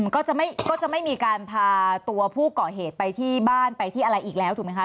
ก็จะไม่มีการพาตัวผู้เกาะเหตุไปที่บ้านไปที่อะไรอีกแล้วถูกไหมคะ